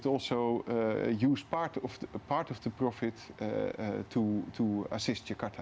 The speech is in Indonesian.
tetapi juga menggunakan bagian dari keuntungan untuk membantu jakarta